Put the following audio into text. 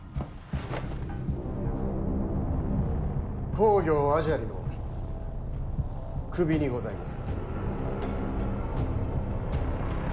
公暁阿闍梨の首にございます。